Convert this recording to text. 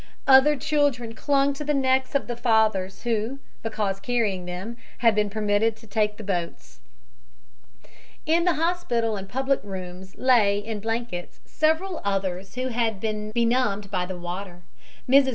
Other children clung to the necks of the fathers who, because carrying them, had been permitted to take the boats. In the hospital and the public rooms lay, in blankets, several others who had been benumbed by the water. Mrs.